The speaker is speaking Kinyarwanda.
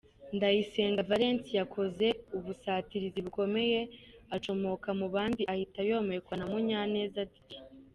h: Ndayisenga Valens yakoze ubusatirizi bukomeye acomoka mu bandi ahita yomekwa na Munyaneza Didier.